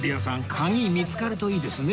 鍵見つかるといいですね